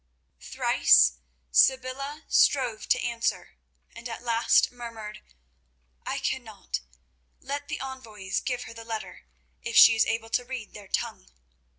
Thrice Sybilla strove to answer, and at last murmured: "I cannot. Let the envoys give her the letter, if she is able to read their tongue."